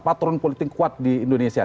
patron politik kuat di indonesia